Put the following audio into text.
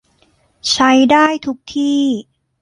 ใช้ได้ทุกที่